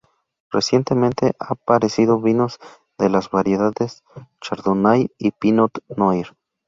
Recientemente, han aparecido vinos de las variedades Chardonnay y Pinot noir.